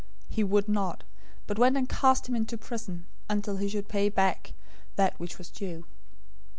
018:030 He would not, but went and cast him into prison, until he should pay back that which was due.